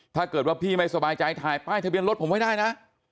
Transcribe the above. ถ้าเกิดว่าพี่ไม่สบายใจถ่ายป้ายทะเบียนรถผมไว้ได้นะ